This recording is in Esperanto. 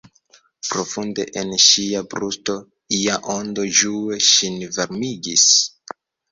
Profunde en ŝia brusto ia ondo ĝue ŝin varmigis.